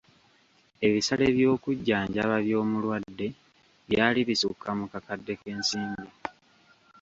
Ebisale by'okujanjaba by'omulwadde byali bisukka mu kakadde k'ensimbi.